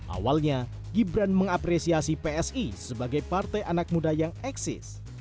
awalnya gibran mengapresiasi psi sebagai partai anak muda yang eksis